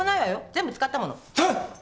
全部使ったもの。はっ！？